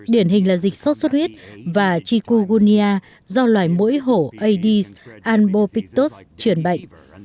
điển hình là dịch sốt sốt huyết và chikungunya do loài mũi hổ aedes albopictus chuyển bệnh